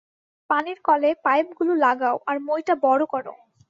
পানির কলে পাইপগুলো লাগাও আর মইটা বড় করো।